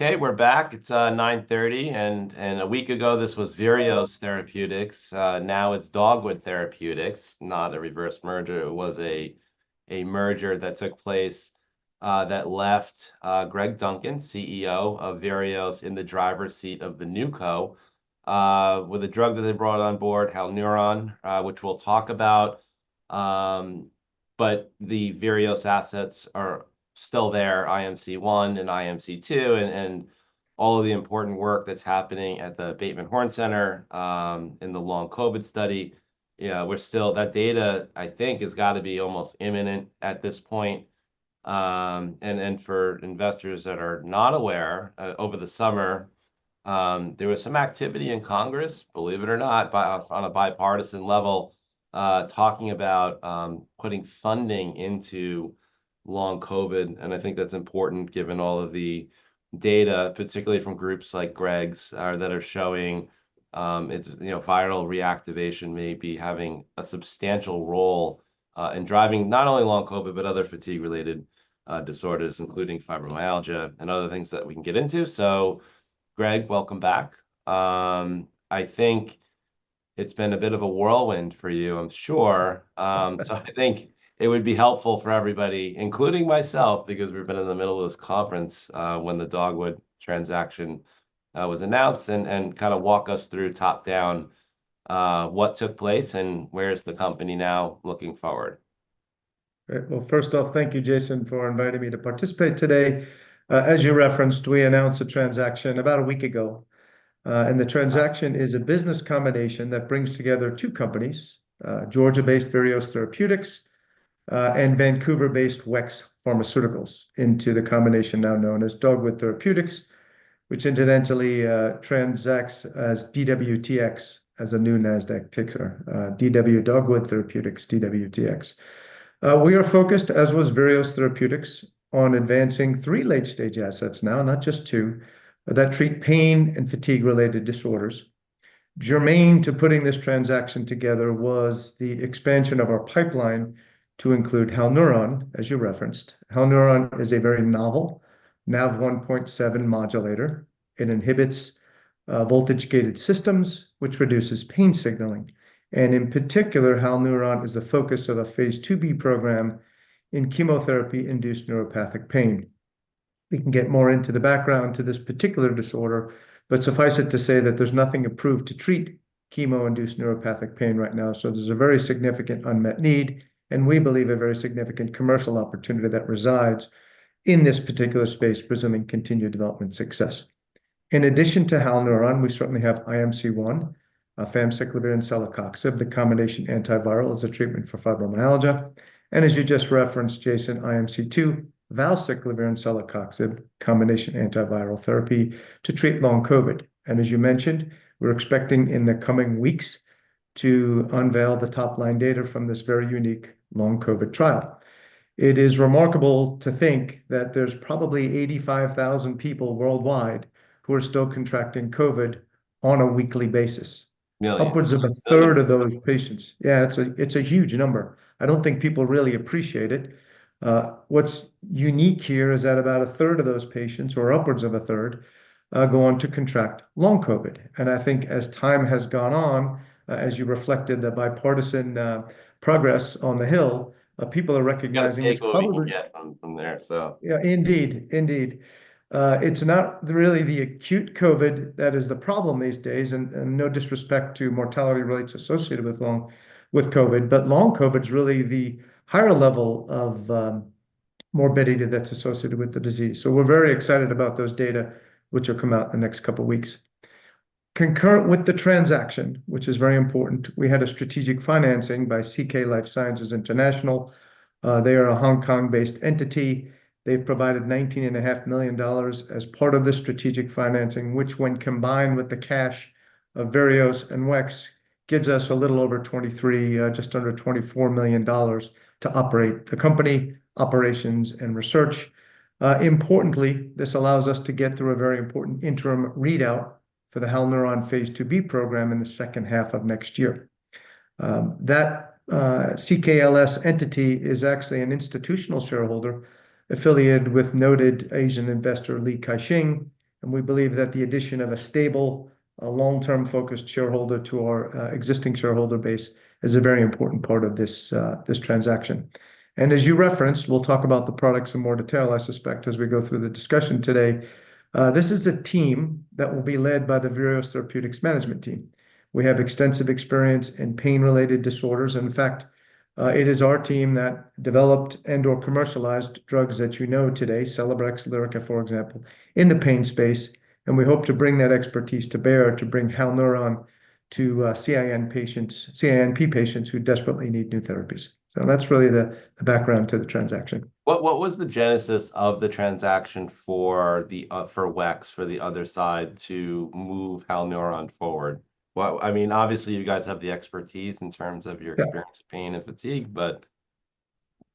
Hey, we're back. It's 9:30 A.M., and a week ago, this was Virios Therapeutics. Now it's Dogwood Therapeutics. Not a reverse merger, it was a merger that took place that left Greg Duncan, CEO of Virios, in the driver's seat of the NewCo with a drug that they brought on board, Halneuron, which we'll talk about. But the Virios assets are still there, IMC-1 and IMC-2, and all of the important work that's happening at the Bateman Horne Center in the long COVID study. Yeah, we're still... That data, I think, has got to be almost imminent at this point. For investors that are not aware, over the summer, there was some activity in Congress, believe it or not, on a bipartisan level, talking about putting funding into long COVID, and I think that's important, given all of the data, particularly from groups like Greg's that are showing it's, you know, viral reactivation may be having a substantial role in driving not only long COVID, but other fatigue-related disorders, including fibromyalgia and other things that we can get into. So Greg, welcome back. I think it's been a bit of a whirlwind for you, I'm sure. So I think it would be helpful for everybody, including myself, because we've been in the middle of this conference when the Dogwood transaction was announced, and kind of walk us through top-down what took place, and where is the company now, looking forward? First off, thank you, Jason, for inviting me to participate today. As you referenced, we announced a transaction about a week ago, and the transaction is a business combination that brings together two companies, Georgia-based Virios Therapeutics, and Vancouver-based WEX Pharmaceuticals, into the combination now known as Dogwood Therapeutics, which incidentally, transacts as DWTX, as a new Nasdaq ticker, DW, Dogwood Therapeutics, DWTX. We are focused, as was Virios Therapeutics, on advancing three late-stage assets now, not just two, that treat pain and fatigue-related disorders. Germane to putting this transaction together was the expansion of our pipeline to include Halneuron, as you referenced. Halneuron is a very novel NaV1.7 modulator. It inhibits, voltage-gated systems, which reduces pain signaling, and in particular, Halneuron is the focus of a Phase IIb program in chemotherapy-induced neuropathic pain. We can get more into the background to this particular disorder, but suffice it to say that there's nothing approved to treat chemo-induced neuropathic pain right now, so there's a very significant unmet need, and we believe a very significant commercial opportunity that resides in this particular space, presuming continued development success. In addition to Halneuron, we certainly have IMC-1, famciclovir and celecoxib. The combination antiviral is a treatment for fibromyalgia, and as you just referenced, Jason, IMC-2, valacyclovir and celecoxib combination antiviral therapy to treat long COVID. And as you mentioned, we're expecting in the coming weeks to unveil the top-line data from this very unique long COVID trial. It is remarkable to think that there's probably 85,000 people worldwide who are still contracting COVID on a weekly basis. Million. Upwards of a third of those patients... Yeah, it's a, it's a huge number. I don't think people really appreciate it. What's unique here is that about a third of those patients, or upwards of a third, go on to contract Long COVID, and I think as time has gone on, as you reflected, the bipartisan progress on the Hill, people are recognizing how- You got a taste what we can get from there, so- Yeah, indeed. Indeed. It's not really the acute COVID that is the problem these days, and no disrespect to mortality rates associated with long COVID, but long COVID's really the higher level of morbidity that's associated with the disease. So we're very excited about those data, which will come out in the next couple of weeks. Concurrent with the transaction, which is very important, we had a strategic financing by CK Life Sciences International. They are a Hong Kong-based entity. They've provided $19.5 million as part of the strategic financing, which when combined with the cash of Virios and WEX, gives us a little over $23 million, just under $24 million to operate the company, operations, and research. Importantly, this allows us to get through a very important interim readout for the Halneuron Phase IIb program in the second half of next year. That CKLS entity is actually an institutional shareholder affiliated with noted Asian investor Li Ka-shing, and we believe that the addition of a stable, long-term focused shareholder to our existing shareholder base is a very important part of this transaction. As you referenced, we'll talk about the product in some more detail, I suspect, as we go through the discussion today. This is a team that will be led by the Virios Therapeutics management team. We have extensive experience in pain-related disorders. In fact, it is our team that developed and/or commercialized drugs that you know today, Celebrex, Lyrica, for example, in the pain space, and we hope to bring that expertise to bear, to bring Halneuron to CINP patients who desperately need new therapies. So that's really the background to the transaction. What was the genesis of the transaction for the, for WEX, for the other side, to move Halneuron forward? Well, I mean, obviously, you guys have the expertise in terms of your- Yeah... experience with pain and fatigue, but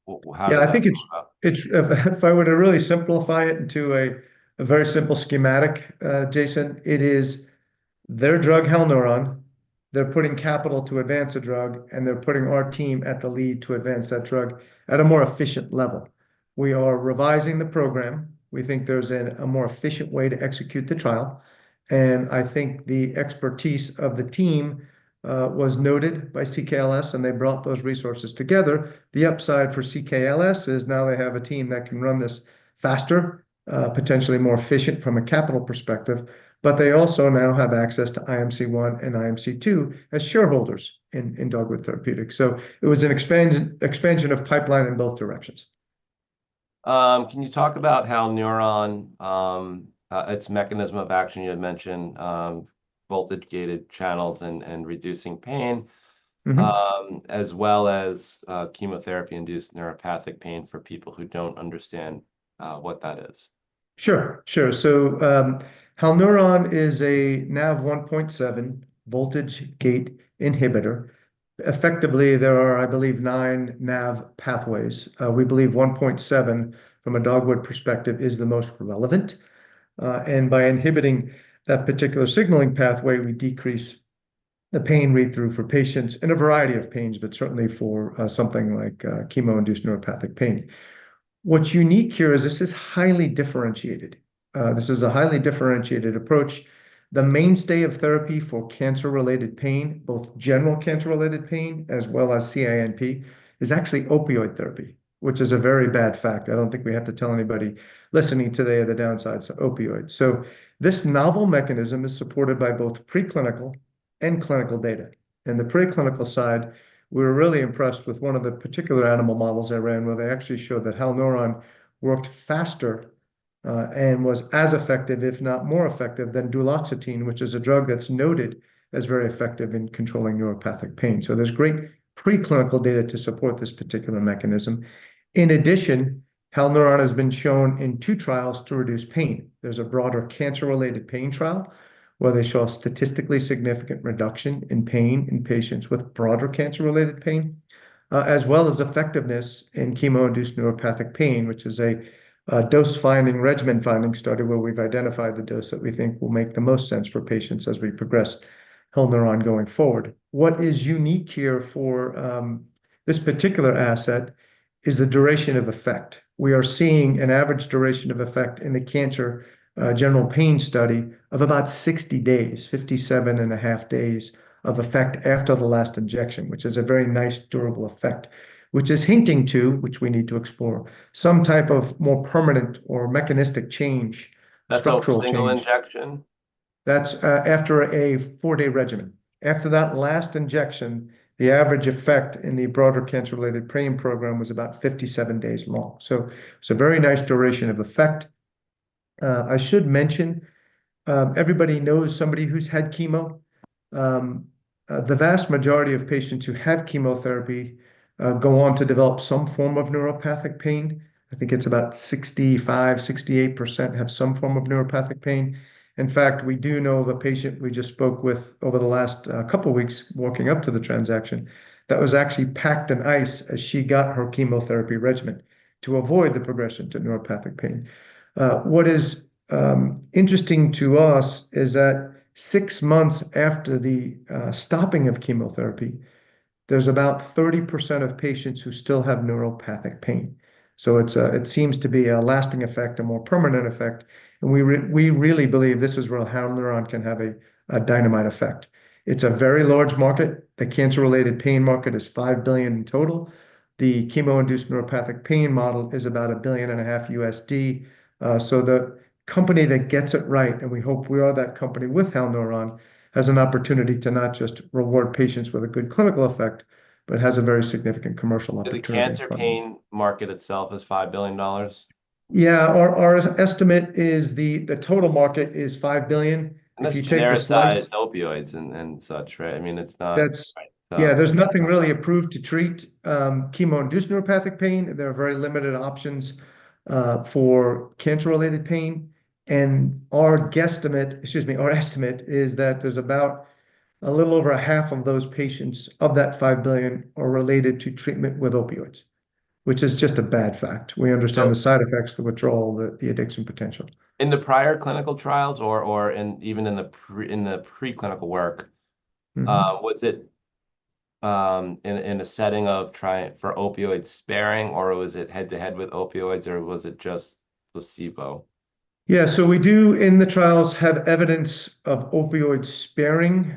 how did it come up? Yeah, I think it's. If I were to really simplify it into a very simple schematic, Jason, it is their drug, Halneuron, they're putting capital to advance the drug, and they're putting our team at the lead to advance that drug at a more efficient level. We are revising the program. We think there's a more efficient way to execute the trial, and I think the expertise of the team was noted by CKLS, and they brought those resources together. The upside for CKLS is now they have a team that can run this faster, potentially more efficient from a capital perspective, but they also now have access to IMC-1 and IMC-2 as shareholders in Dogwood Therapeutics. So it was an expansion of pipeline in both directions. Can you talk about how Halneuron, its mechanism of action, you had mentioned, voltage-gated channels and reducing pain- Mm-hmm... as well as chemotherapy-induced neuropathic pain for people who don't understand what that is? Sure, sure. So, Halneuron is a NaV1.7 voltage-gated inhibitor. Effectively, there are, I believe, nine NaV pathways. We believe 1.7, from a Dogwood perspective, is the most relevant. And by inhibiting that particular signaling pathway, we decrease the pain read-through for patients in a variety of pains, but certainly for something like chemo-induced neuropathic pain. What's unique here is this is highly differentiated. This is a highly differentiated approach. The mainstay of therapy for cancer-related pain, both general cancer-related pain, as well as CINP, is actually opioid therapy, which is a very bad fact. I don't think we have to tell anybody listening today the downsides to opioids. So this novel mechanism is supported by both preclinical and clinical data. In the preclinical side, we're really impressed with one of the particular animal models they ran, where they actually showed that Halneuron worked faster and was as effective, if not more effective, than duloxetine, which is a drug that's noted as very effective in controlling neuropathic pain. So there's great preclinical data to support this particular mechanism. In addition, Halneuron has been shown in two trials to reduce pain. There's a broader cancer-related pain trial, where they show a statistically significant reduction in pain in patients with broader cancer-related pain, as well as effectiveness in chemo-induced neuropathic pain, which is a dose-finding, regimen-finding study, where we've identified the dose that we think will make the most sense for patients as we progress Halneuron going forward. What is unique here for this particular asset is the duration of effect. We are seeing an average duration of effect in the cancer, general pain study of about 60 days, 57 and a half days of effect after the last injection, which is a very nice, durable effect, which is hinting to, which we need to explore, some type of more permanent or mechanistic change, structural change. That's after a single injection? That's after a four-day regimen. After that last injection, the average effect in the broader cancer-related pain program was about 57 days long. So it's a very nice duration of effect. I should mention, everybody knows somebody who's had chemo. The vast majority of patients who have chemotherapy go on to develop some form of neuropathic pain. I think it's about 65%-68% have some form of neuropathic pain. In fact, we do know of a patient we just spoke with over the last couple weeks walking up to the transaction, that was actually packed in ice as she got her chemotherapy regimen to avoid the progression to neuropathic pain. What is interesting to us is that six months after the stopping of chemotherapy, there's about 30% of patients who still have neuropathic pain. It seems to be a lasting effect, a more permanent effect, and we really believe this is where Halneuron can have a dynamite effect. It's a very large market. The cancer-related pain market is $5 billion in total. The chemo-induced neuropathic pain model is about $1.5 billion. So the company that gets it right, and we hope we are that company with Halneuron, has an opportunity to not just reward patients with a good clinical effect, but has a very significant commercial opportunity. The cancer pain market itself is $5 billion? Yeah. Our estimate is the total market is $5 billion. If you take the slice- And that's steroids, opioids, and such, right? I mean, it's not- That's... Yeah, there's nothing really approved to treat chemo-induced neuropathic pain. There are very limited options for cancer-related pain, and our guesstimate, excuse me, our estimate is that there's about a little over a half of those patients, of that $5 billion, are related to treatment with opioids, which is just a bad fact. Right. We understand the side effects, the withdrawal, the addiction potential. In the prior clinical trials, or even in the preclinical work- Mm-hmm... was it in a setting for opioid sparing, or was it head-to-head with opioids, or was it just placebo? Yeah, so we do, in the trials, have evidence of opioid sparing,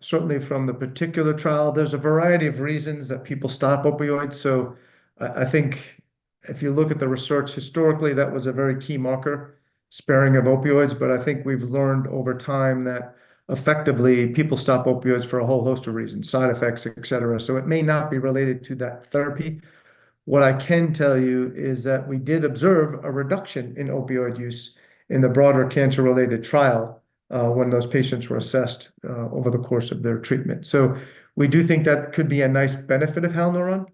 certainly from the particular trial. There's a variety of reasons that people stop opioids, so I think if you look at the research historically, that was a very key marker, sparing of opioids. But I think we've learned over time that effectively, people stop opioids for a whole host of reasons, side effects, et cetera, so it may not be related to that therapy. What I can tell you is that we did observe a reduction in opioid use in the broader cancer-related trial, when those patients were assessed over the course of their treatment. So we do think that could be a nice benefit of Halneuron,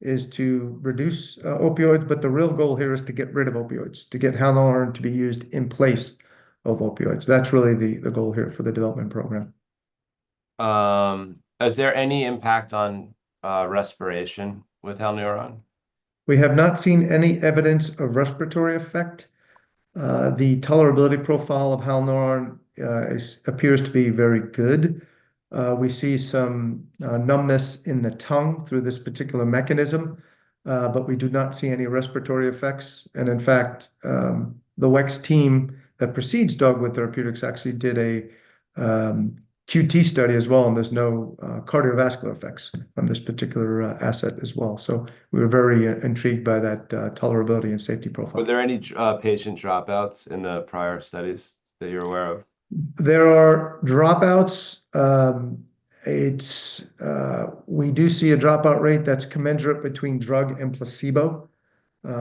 is to reduce opioids, but the real goal here is to get rid of opioids, to get Halneuron to be used in place of opioids. That's really the goal here for the development program.... is there any impact on respiration with Halneuron? We have not seen any evidence of respiratory effect. The tolerability profile of Halneuron appears to be very good. We see some numbness in the tongue through this particular mechanism, but we do not see any respiratory effects. And in fact, the WEX team that precedes Dogwood Therapeutics actually did a QT study as well, and there's no cardiovascular effects on this particular asset as well. So we're very intrigued by that tolerability and safety profile. Were there any patient dropouts in the prior studies that you're aware of? There are dropouts. We do see a dropout rate that's commensurate between drug and placebo.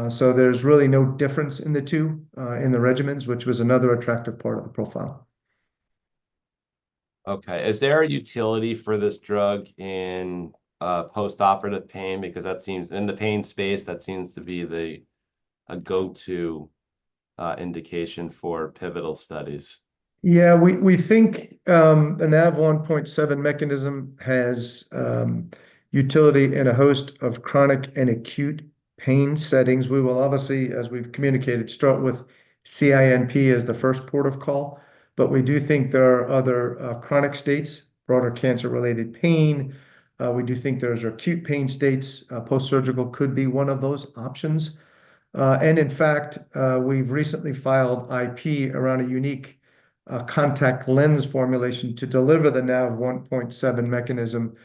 So there's really no difference in the two in the regimens, which was another attractive part of the profile. Okay. Is there a utility for this drug in post-operative pain? Because that seems... In the pain space, that seems to be a go-to indication for pivotal studies. Yeah, we think the NaV1.7 mechanism has utility in a host of chronic and acute pain settings. We will obviously, as we've communicated, start with CINP as the first port of call, but we do think there are other chronic states, broader cancer-related pain. We do think there's acute pain states, post-surgical could be one of those options. And in fact, we've recently filed IP around a unique contact lens formulation to deliver the NaV1.7 mechanism,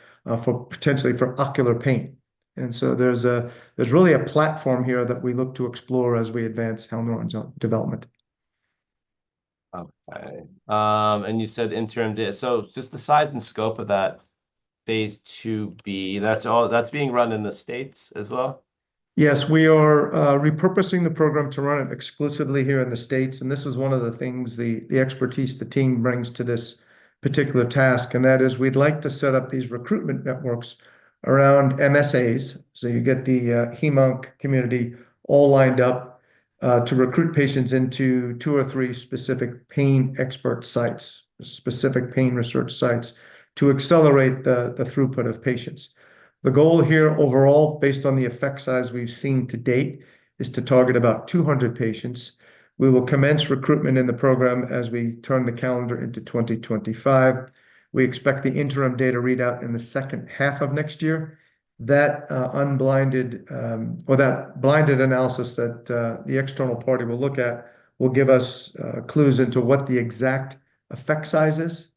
for potentially for ocular pain. And so there's really a platform here that we look to explore as we advance Halneuron's development. Okay. And you said interim data. So just the size and scope of that Phase IIb, that's all, that's being run in the States as well? Yes, we are repurposing the program to run it exclusively here in the States, and this is one of the things the expertise the team brings to this particular task, and that is we'd like to set up these recruitment networks around MSAs. So you get the Hem/Onc community all lined up to recruit patients into two or three specific pain expert sites, specific pain research sites, to accelerate the throughput of patients. The goal here overall, based on the effect size we've seen to date, is to target about 200 patients. We will commence recruitment in the program as we turn the calendar into 2025. We expect the interim data readout in the second half of next year. That unblinded or that blinded analysis that the external party will look at will give us clues into what the exact effect size is,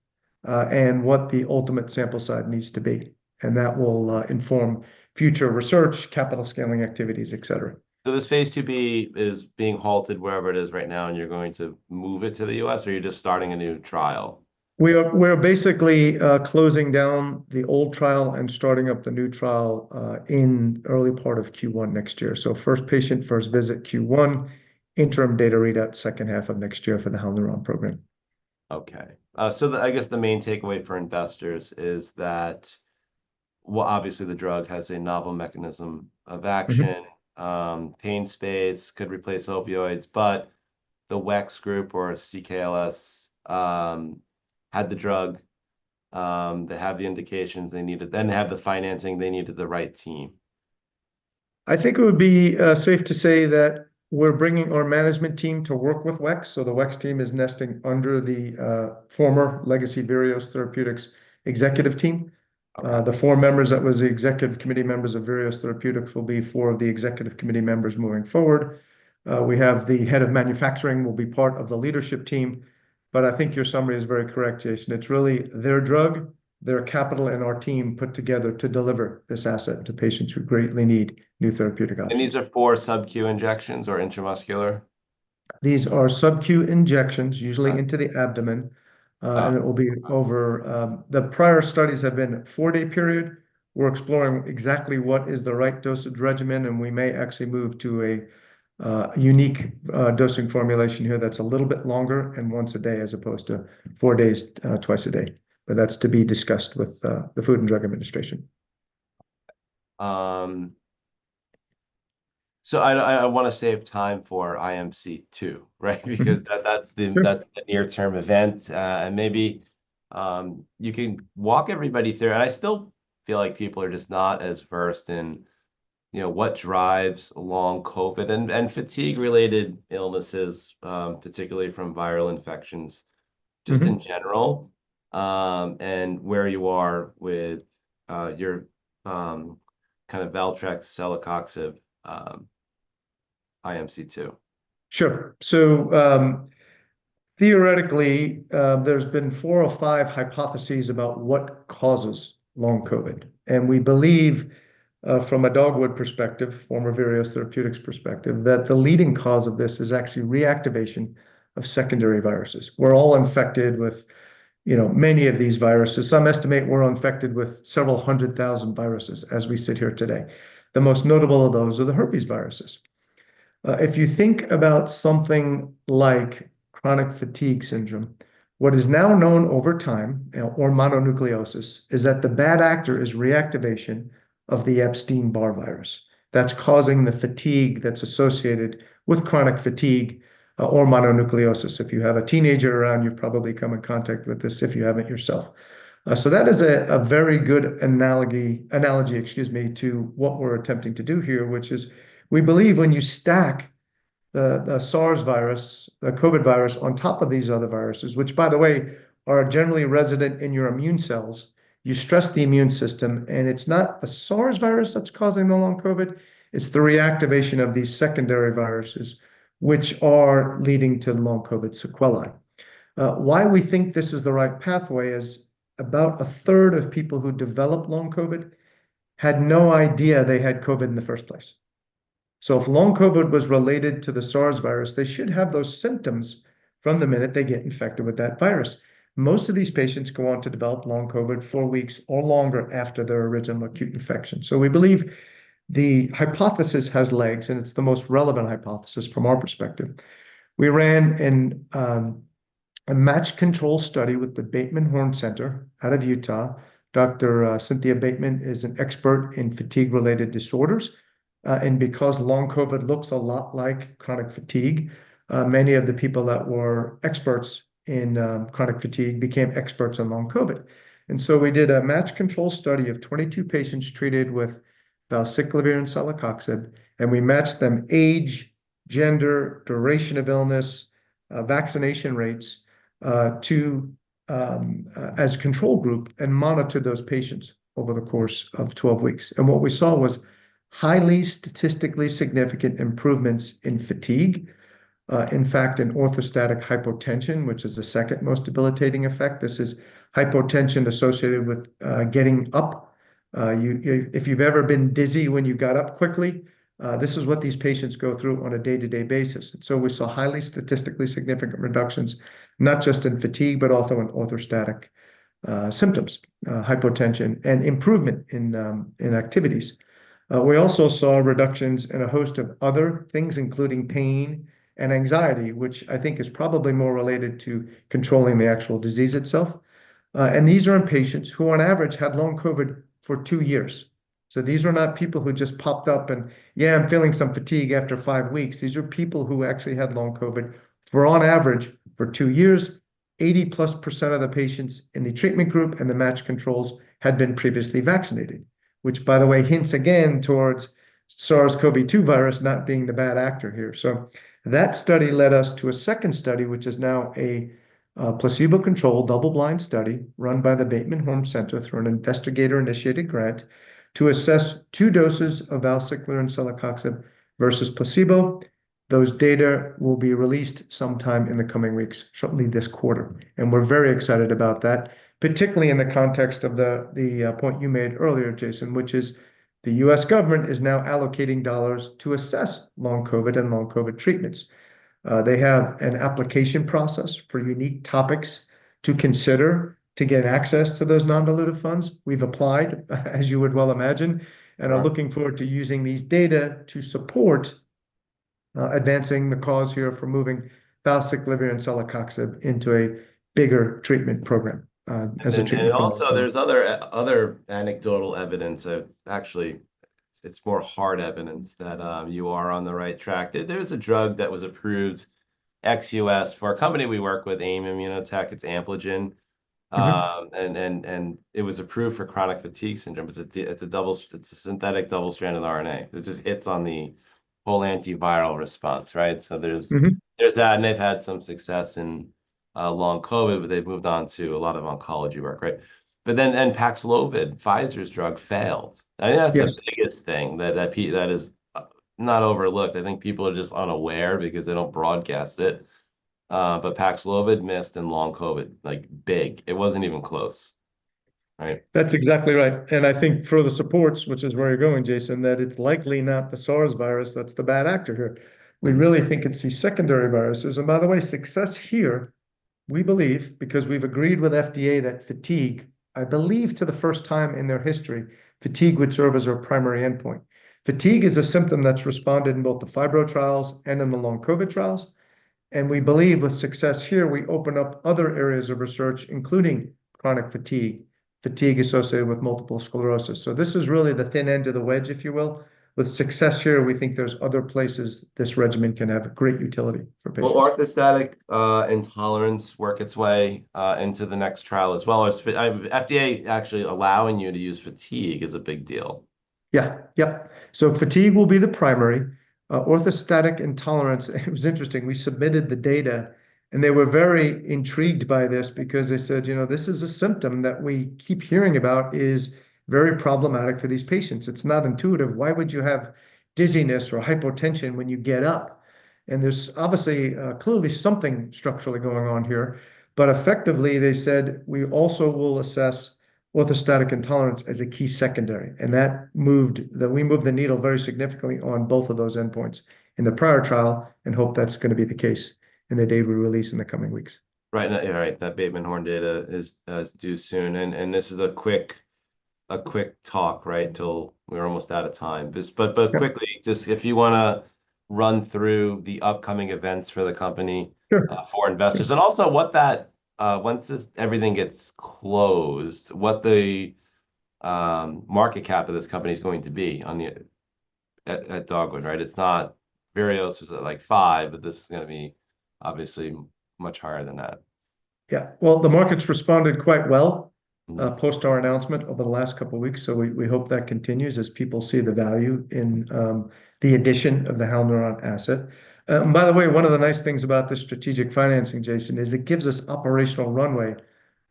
and what the ultimate sample size needs to be, and that will inform future research, capital scaling activities, et cetera. So this Phase IIb is being halted wherever it is right now, and you're going to move it to the U.S., or you're just starting a new trial? We're basically closing down the old trial and starting up the new trial in early part of Q1 next year. So first patient, first visit, Q1, interim data readout second half of next year for the Halneuron program. Okay. So the, I guess the main takeaway for investors is that, well, obviously the drug has a novel mechanism of action- Mm-hmm... pain space, could replace opioids, but the WEX group or CKLS had the drug, they have the indications they needed, then they have the financing they need, and the right team. I think it would be safe to say that we're bringing our management team to work with WEX, so the WEX team is nesting under the former legacy Virios Therapeutics executive team. Okay. The four members that was the executive committee members of Virios Therapeutics will be four of the executive committee members moving forward. We have the head of manufacturing will be part of the leadership team, but I think your summary is very correct, Jason. It's really their drug, their capital, and our team put together to deliver this asset to patients who greatly need new therapeutic options. These are four sub-Q injections or intramuscular? These are sub-Q injections. Got it... usually into the abdomen. Uh- And it will be over the prior studies have been four-day period. We're exploring exactly what is the right dosage regimen, and we may actually move to a unique dosing formulation here that's a little bit longer and once a day, as opposed to four days twice a day. But that's to be discussed with the Food and Drug Administration. So, I wanna save time for IMC-2, right? Because that- Sure... that's the near-term event. And maybe you can walk everybody through, and I still feel like people are just not as versed in, you know, what drives long COVID and fatigue-related illnesses, particularly from viral infections- Mm-hmm... just in general, and where you are with your kind of Valtrex, celecoxib, IMC-2. Sure. Theoretically, there's been four or five hypotheses about what causes long COVID, and we believe from a Dogwood perspective, former Virios Therapeutics perspective, that the leading cause of this is actually reactivation of secondary viruses. We're all infected with, you know, many of these viruses. Some estimate we're all infected with several hundred thousand viruses as we sit here today. The most notable of those are the herpes viruses. If you think about something like chronic fatigue syndrome, what is now known over time, you know, or mononucleosis, is that the bad actor is reactivation of the Epstein-Barr virus. That's causing the fatigue that's associated with chronic fatigue or mononucleosis. If you have a teenager around, you've probably come in contact with this, if you haven't yourself. So that is a very good analogy, excuse me, to what we're attempting to do here, which is we believe when you stack the SARS virus, the COVID virus, on top of these other viruses, which by the way, are generally resident in your immune cells, you stress the immune system, and it's not the SARS virus that's causing the long COVID, it's the reactivation of these secondary viruses, which are leading to the long COVID sequelae. Why we think this is the right pathway is about a third of people who develop long COVID had no idea they had COVID in the first place. If long COVID was related to the SARS virus, they should have those symptoms from the minute they get infected with that virus. Most of these patients go on to develop long COVID four weeks or longer after their original acute infection. So we believe the hypothesis has legs, and it's the most relevant hypothesis from our perspective. We ran a matched control study with the Bateman Horne Center out of Utah. Dr. Cynthia Bateman is an expert in fatigue-related disorders. And because long COVID looks a lot like chronic fatigue, many of the people that were experts in chronic fatigue became experts on long COVID. And so we did a matched control study of 22 patients treated with valacyclovir and celecoxib, and we matched them age, gender, duration of illness, vaccination rates to a control group, and monitored those patients over the course of 12 weeks. And what we saw was highly statistically significant improvements in fatigue. In fact, in orthostatic hypotension, which is the second most debilitating effect, this is hypotension associated with getting up. If you've ever been dizzy when you got up quickly, this is what these patients go through on a day-to-day basis. So we saw highly statistically significant reductions, not just in fatigue, but also in orthostatic symptoms, hypotension, and improvement in activities. We also saw reductions in a host of other things, including pain and anxiety, which I think is probably more related to controlling the actual disease itself. And these are in patients who, on average, had long COVID for two years. So these are not people who just popped up and, "Yeah, I'm feeling some fatigue after five weeks." These are people who actually had long COVID for, on average, for two years, 80-plus% of the patients in the treatment group, and the match controls had been previously vaccinated, which by the way, hints again towards SARS-CoV-2 virus not being the bad actor here. So that study led us to a second study, which is now a placebo-controlled double-blind study run by the Bateman Horne Center through an investigator-initiated grant to assess two doses of valacyclovir and celecoxib versus placebo. Those data will be released sometime in the coming weeks, shortly this quarter, and we're very excited about that, particularly in the context of the point you made earlier, Jason, which is the U.S. government is now allocating dollars to assess long COVID and long COVID treatments. They have an application process for unique topics to consider to get access to those non-dilutive funds. We've applied, as you would well imagine- Right... and are looking forward to using these data to support advancing the cause here for moving valacyclovir and celecoxib into a bigger treatment program as a treatment program. Also, there's other anecdotal evidence of... Actually, it's more hard evidence that you are on the right track. There's a drug that was approved ex-US for a company we work with, AIM Immunotec. It's Ampligen. Mm-hmm. It was approved for chronic fatigue syndrome. It's a synthetic double-stranded RNA. It just hits on the whole antiviral response, right? So there's- Mm-hmm... there's that, and they've had some success in long COVID, but they've moved on to a lot of oncology work, right? But then, and Paxlovid, Pfizer's drug, failed. Yes. I think that's the biggest thing, that is not overlooked. I think people are just unaware because they don't broadcast it. But Paxlovid missed in long COVID, like, big. It wasn't even close, right? That's exactly right, and I think further supports, which is where you're going, Jason, that it's likely not the SARS virus that's the bad actor here. Mm-hmm. We really think it's these secondary viruses. And by the way, success here, we believe, because we've agreed with FDA that fatigue, I believe, for the first time in their history, fatigue would serve as our primary endpoint. Fatigue is a symptom that's responded in both the fibro trials and in the long COVID trials, and we believe with success here, we open up other areas of research, including chronic fatigue, fatigue associated with multiple sclerosis. So this is really the thin end of the wedge, if you will. With success here, we think there's other places this regimen can have great utility for patients. Will orthostatic intolerance work its way into the next trial as well? Or FDA actually allowing you to use fatigue is a big deal. Yeah. Yep. So fatigue will be the primary. Orthostatic intolerance, it was interesting, we submitted the data, and they were very intrigued by this because they said, "You know, this is a symptom that we keep hearing about, is very problematic for these patients." It's not intuitive. Why would you have dizziness or hypotension when you get up? And there's obviously, clearly something structurally going on here. But effectively, they said, "We also will assess orthostatic intolerance as a key secondary." And that moved... That we moved the needle very significantly on both of those endpoints in the prior trial, and hope that's gonna be the case in the data we release in the coming weeks. Right, and yeah, right, that Bateman Horne data is due soon. And this is a quick talk, right? Till we're almost out of time. Just, but quickly- Yeah. Just if you wanna run through the upcoming events for the company. Sure... for investors, and also what that, once this everything gets closed, what the market cap of this company's going to be on the at Dogwood, right? It's not Virios was at, like, five, but this is gonna be obviously much higher than that. Yeah, well, the market's responded quite well- Mm... post our announcement over the last couple weeks, so we hope that continues as people see the value in the addition of the Halneuron asset. And by the way, one of the nice things about this strategic financing, Jason, is it gives us operational runway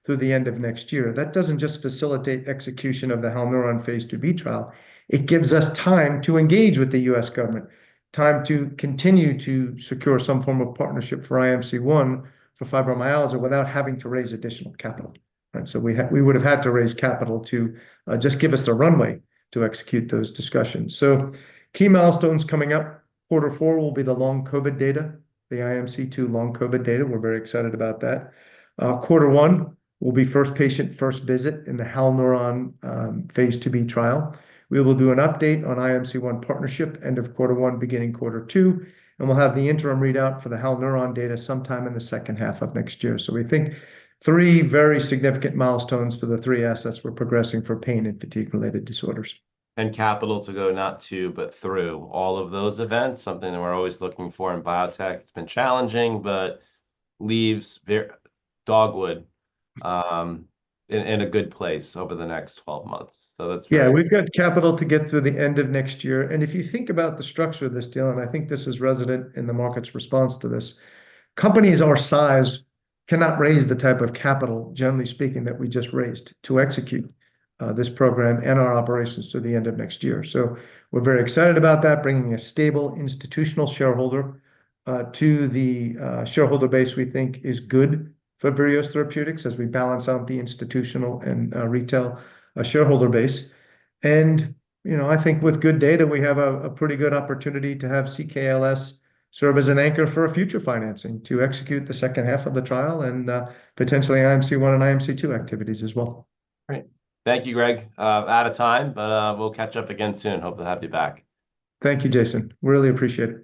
through the end of next year. That doesn't just facilitate execution of the Halneuron Phase IIb trial, it gives us time to engage with the U.S. government, time to continue to secure some form of partnership for IMC-1 for fibromyalgia without having to raise additional capital, right? So we would've had to raise capital to just give us the runway to execute those discussions. So key milestones coming up, quarter four will be the long COVID data, the IMC-2 long COVID data. We're very excited about that. Quarter one will be first patient, first visit in the Halneuron Phase IIb trial. We will do an update on IMC-1 partnership end of quarter one, beginning quarter two, and we'll have the interim readout for the Halneuron data sometime in the second half of next year. So we think three very significant milestones for the three assets we're progressing for pain and fatigue-related disorders. Capital to go not to, but through all of those events, something that we're always looking for in biotech. It's been challenging, but leaves Dogwood in a good place over the next 12 months. That's great. Yeah, we've got capital to get through the end of next year, and if you think about the structure of this deal, and I think this is resonant in the market's response to this, companies our size cannot raise the type of capital, generally speaking, that we just raised, to execute this program and our operations through the end of next year. So we're very excited about that, bringing a stable institutional shareholder to the shareholder base, we think is good for Virios Therapeutics as we balance out the institutional and retail shareholder base. And, you know, I think with good data, we have a pretty good opportunity to have CKLS serve as an anchor for a future financing to execute the second half of the trial, and potentially IMC-1 and IMC-2 activities as well. Great. Thank you, Greg. Out of time, but, we'll catch up again soon. Hope to have you back. Thank you, Jason. Really appreciate it.